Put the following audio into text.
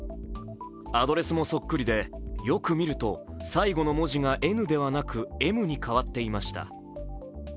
アドレスもそっくりで、よく見ると最後の文字が「ｎ」ではなく「ｍ」に変わっていました。